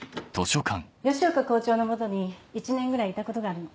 吉岡校長の下に１年ぐらいいたことがあるの。